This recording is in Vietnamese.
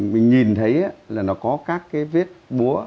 mình nhìn thấy là nó có các cái vết búa